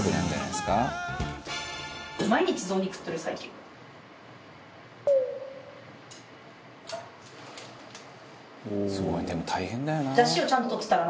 「すごいでも大変だよな」